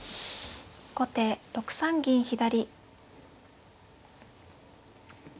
後手６三銀左。